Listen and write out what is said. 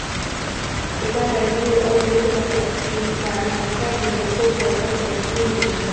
Kupanda juu au kushuka katika harakati za soko, wakati wa kipindi cha muda.